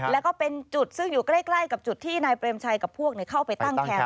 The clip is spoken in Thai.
แล้วก็เป็นจุดซึ่งอยู่ใกล้กับจุดที่นายเปรมชัยกับพวกเข้าไปตั้งแคมป